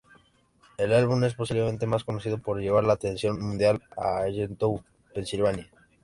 El álbum es posiblemente más conocido por llevar la atención mundial a Allentown, Pensilvania.